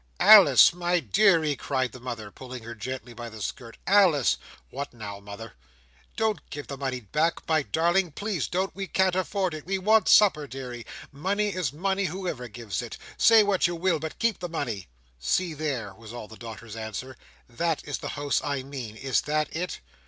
"Alice, my deary," cried the mother, pulling her gently by the skirt. "Alice!" "What now, mother?" "Don't give the money back, my darling; please don't. We can't afford it. We want supper, deary. Money is money, whoever gives it. Say what you will, but keep the money." "See there!" was all the daughter's answer. "That is the house I mean. Is that it?"